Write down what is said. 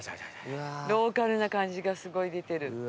ローカルな感じがすごい出てる。